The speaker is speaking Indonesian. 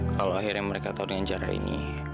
kalau akhirnya mereka tahu dengan cara ini